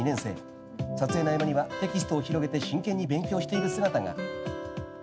［撮影の合間にはテキストを広げて真剣に勉強している姿が］